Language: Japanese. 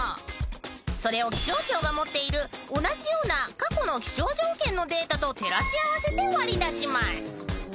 ［それを気象庁が持っている同じような過去の気象条件のデータと照らし合わせて割り出します］